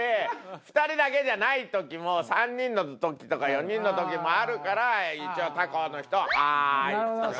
２人だけじゃない時も３人の時とか４人の時もあるから一応「タコの人」。